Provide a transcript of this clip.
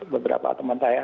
beberapa teman saya